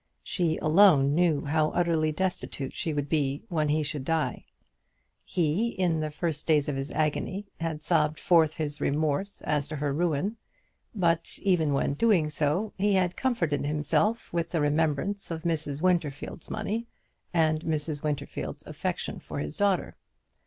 She alone knew how utterly destitute she would be when he should die. He, in the first days of his agony, had sobbed forth his remorse as to her ruin; but, even when doing so, he had comforted himself with the remembrance of Mrs. Winterfield's money, and Mrs. Winterfield's affection for his daughter.